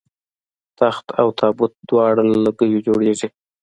تخت او تابوت دواړه له لرګیو جوړیږي